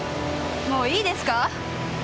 もういいですか。